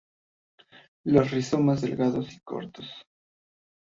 Los rizomas delgados y cortos.